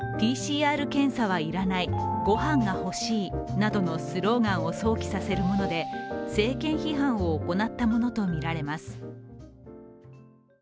ＰＣＲ検査は要らない、ご飯が欲しいなどのスローガンを想起させるもので、政権批判を行ったものとみられます。